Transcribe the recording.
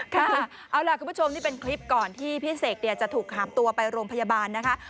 ค่ะเอาล่ะคุณผู้ชมนี่เป็นคลิปก่อนที่พี่เสกจะถูกหามตัวไปโรงพยาบาลนะคะ